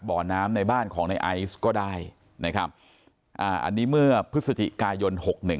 บ่อน้ำในบ้านของในไอซ์ก็ได้นะครับอ่าอันนี้เมื่อพฤศจิกายนหกหนึ่ง